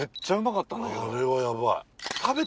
あれはやばい。